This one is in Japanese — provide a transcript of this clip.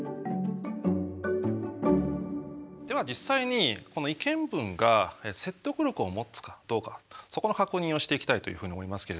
では実際にこの意見文が説得力を持つかどうかそこの確認をしていきたいというふうに思いますけれども。